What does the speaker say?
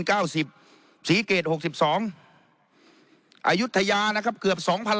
เก้าสิบสีเกรดหกสิบสองอายุทยานะครับเกือบสองพัน